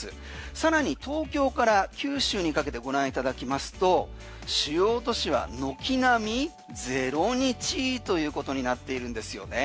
更に東京から九州にかけてご覧いただきますと主要都市は軒並み０日ということになっているんですよね。